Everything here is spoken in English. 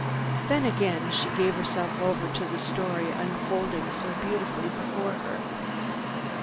Then again she gave herself over to the story unfolding so beautifully before her.